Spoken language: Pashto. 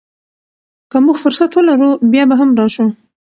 که موږ فرصت ولرو، بیا به هم راشو.